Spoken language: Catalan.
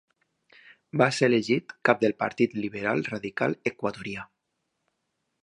Va ser elegit cap del Partit Liberal Radical Equatorià.